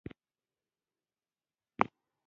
بامیان د افغانستان د کلتوري میراث یوه خورا مهمه برخه ده.